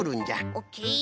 オッケー。